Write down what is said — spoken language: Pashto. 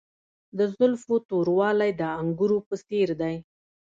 د زلفو توروالی د انګورو په څیر دی.